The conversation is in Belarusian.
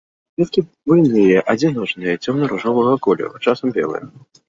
Кветкі буйныя, адзіночныя, цёмна-ружовага колеру, часам белыя.